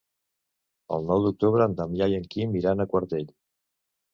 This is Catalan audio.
El nou d'octubre en Damià i en Quim iran a Quartell.